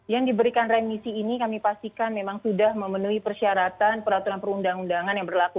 yang diberikan remisi ini kami pastikan memang sudah memenuhi persyaratan peraturan perundang undangan yang berlaku